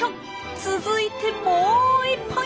続いてもう１本。